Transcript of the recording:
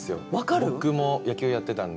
僕も野球やってたんで。